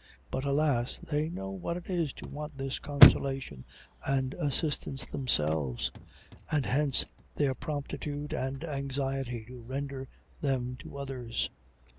But alas! they know what it is to want this consolation and assistance themselves, and hence their promptitude and anxiety to render them to others.